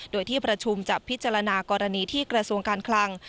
โดยที่ประชุมจะพิจารณากรณีที่กระทรวงการคลัง